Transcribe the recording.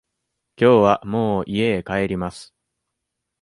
きょうはもう家へ帰ります。